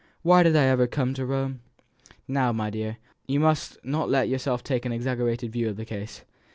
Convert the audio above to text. why did I ever come to Rome?" "Now, my dear, you must not let yourself take an exaggerated view of the case.